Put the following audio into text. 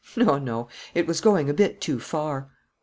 No, no, it was going a bit too far.